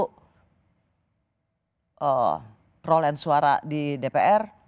kalau roll and suara di dpr